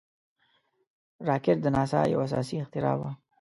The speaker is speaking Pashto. راکټ د ناسا یو اساسي اختراع وه